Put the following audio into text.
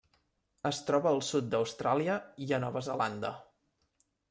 Es troba al sud d'Austràlia i a Nova Zelanda.